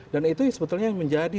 dan itu sebetulnya menjadi